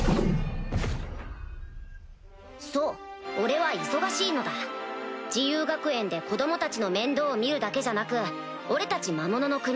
そう俺は忙しいのだ自由学園で子供たちの面倒を見るだけじゃなく俺たち魔物の国